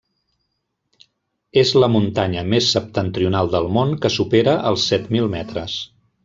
És la muntanya més septentrional del món que supera els set mil metres.